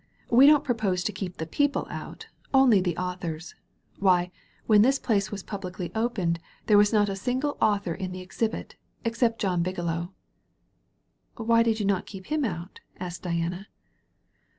We don't propose to keep the people out, only the authors. TiVhy, when this place was publicly opened there was not a single author in the exhibit, except John Bigelow." ''Why did you not keep him out?" asked Di ana.